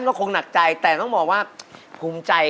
ยิ่งรักเธอต่อยิ่งเสียใจ